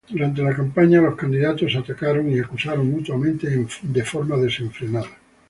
Durante la campaña, los candidatos se atacaron y acusaron mutuamente en forma desenfrenada.